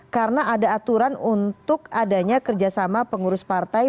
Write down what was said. karena ada aturan untuk adanya kerjasama pengurus partai